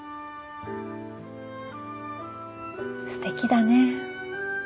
すてきだねえ。